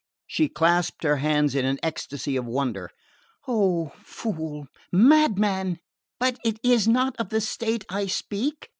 She clasped her hands in an ecstasy of wonder. "Oh, fool, madman but it is not of the state I speak!